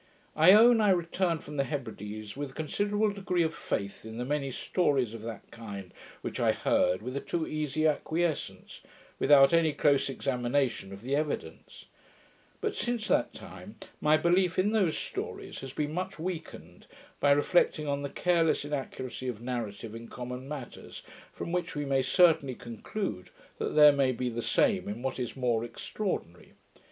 I own, I returned from the Hebrides with a considerable degree of faith in the many stories of that kind which I heard with a too easy acquiescence, without any clear examination of the evidence: but, since that time, my belief in those stories has been much weakened, by reflecting on the careless inaccuracy of narrative in common matters, from which we may certainly conclude that these may be the same in what is more extraordinary.